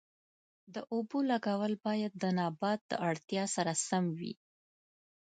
د اوبو لګول باید د نبات د اړتیا سره سم وي.